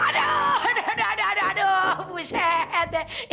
aduh aduh aduh aduh aduh buset deh